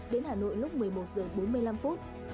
đến hà nội lúc một mươi một h bốn mươi năm